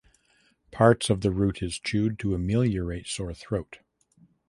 Parts of root is chewed to ameliorate sore throat.